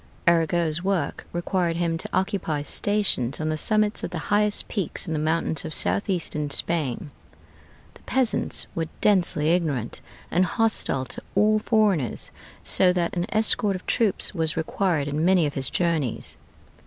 Arago's work required him to occupy stations on the summits of the highest peaks in the mountains of southeastern Spain. The peasants were densely ignorant and hostile to all foreigners, so that an escort of troops was required in many of his journeys.